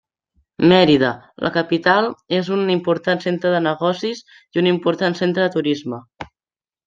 Mérida, la capital, és un important centre de negocis, i un important centre de turisme.